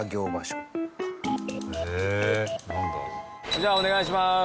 じゃあお願いします。